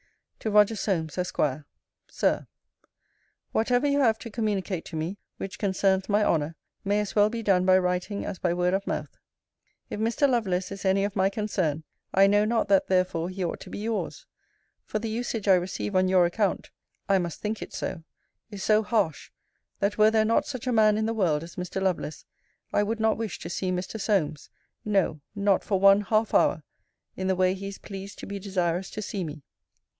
TO ROGER SOLMES, ESQ. SIR, Whatever you have to communicate to me, which concerns my honour, may as well be done by writing as by word of mouth. If Mr. Lovelace is any of my concern, I know not that therefore he ought to be yours: for the usage I receive on your account [I must think it so!] is so harsh, that were there not such a man in the world as Mr. Lovelace, I would not wish to see Mr. Solmes, no, not for one half hour, in the way he is pleased to be desirous to see me.